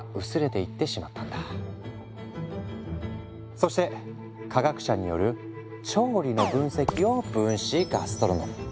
そして科学者による調理の分析を「分子ガストロノミー」。